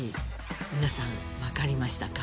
皆さんわかりましたか？